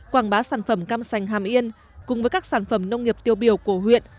quảng bá sản phẩm cam sành hàm yên cùng với các sản phẩm nông nghiệp tiêu biểu của huyện